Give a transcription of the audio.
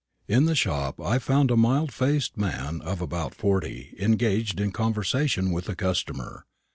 In the shop I found a mild faced man of about forty engaged in conversation with a customer.